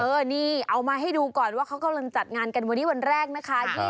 นี่เอามาให้ดูก่อนว่าเขากำลังจัดงานกันวันนี้วันแรกนะคะ